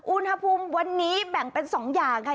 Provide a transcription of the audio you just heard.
อุณหภูมิวันนี้แบ่งเป็น๒อย่างค่ะ